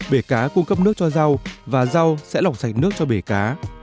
bể cá cung cấp nước cho rau và rau sẽ lọc sạch nước cho bể cá